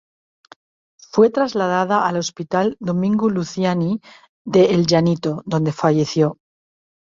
Fue trasladada al hospital Domingo Luciani de El Llanito donde falleció.